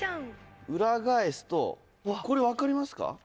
裏返すとこれ分かりますか？